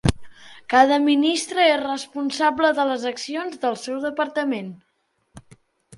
Cada ministre és responsable de les accions del seu departament.